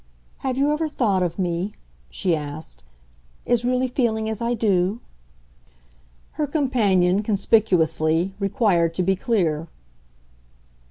Have you ever thought of me," she asked, "as really feeling as I do?" Her companion, conspicuously, required to be clear.